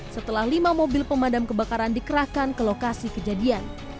setelah lima mobil pemadam kebakaran dikerahkan ke lokasi kejadian